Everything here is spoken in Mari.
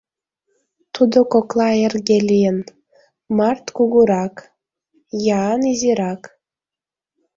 Тудо кокла эрге лийын, Мӓрт кугурак, Яан изирак.